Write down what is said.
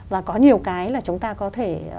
và có nhiều cái là chúng ta có thể